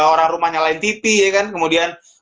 orang rumahnya lain tv ya kan kemudian